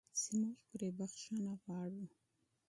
چې موږ پرې بخښنه غواړو.